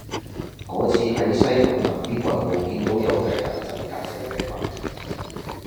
嗰次喺西貢南邊圍路見到有雞蛋仔格仔餅賣